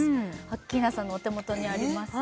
アッキーナさんのお手元にあります